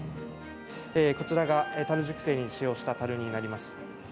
こちらがたる熟成に使用したたるになります。